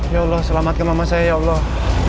ya allah selamatkan mama saya ya allah